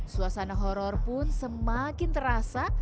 suasana horror pun semakin terasa